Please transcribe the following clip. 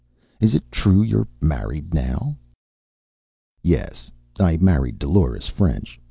"Is it true you're married now?" "Yes. I married Dolores French.